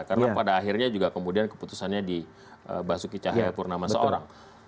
karena pada akhirnya keputusannya dibasuki cahaya purnama seorang